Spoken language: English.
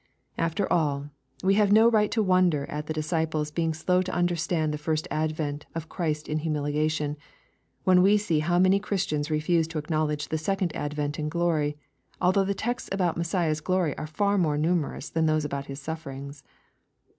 After all, we have no right to wonder at the disciples being slow to understand the first advent of Christ in humiliation, when we see how many Christians refuse to acknowledge the second advent in glory, although the texts about Messiah's glory are far more numerous than those about His sufferings.